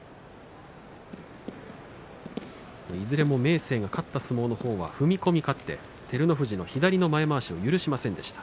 いずれも明生が勝った相撲の方は踏み込み勝って照ノ富士が左の前まわしを許しませんでした。